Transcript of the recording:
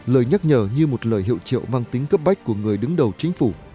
lời nhắc nhở như một lời hiệu triệu mang tính cấp bách của người đứng đầu chính phủ